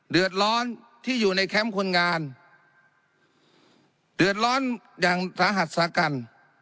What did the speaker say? เดือดร้อนที่อยู่ในแคมป์คนงานเดือดร้อนอย่างสาหัสสากัน